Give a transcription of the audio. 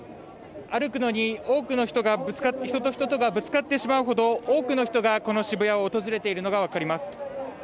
歩くのに多くの人と人とがぶつかってしまうほど多くの人がこの渋谷を訪れているのが分かります。